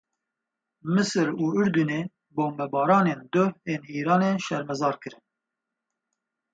Misir û Urdinê bombebaranên duh ên Îranê şermezar kirin.